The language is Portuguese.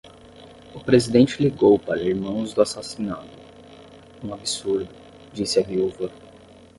O presidente ligou para irmãos do assassinado: 'um absurdo', disse a viúva